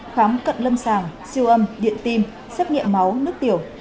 khám cận lâm sàng siêu âm điện tim xét nghiệm máu nước tiểu